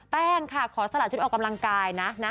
แป้งค่ะขอสละชุดออกกำลังกายนะ